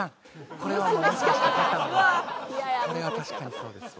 これは確かにそうですわ。